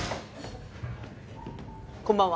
こんばんは。